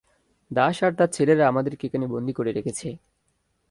দাস আর তার ছেলেরা আমাদেরকে এখানে বন্দি করে রেখেছে।